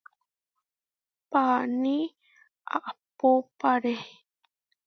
Paaní ahpópare.